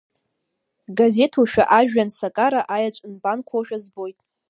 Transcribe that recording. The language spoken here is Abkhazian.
Газеҭушәа ажәҩан сакара, аеҵә нбанқәоушәа збоит…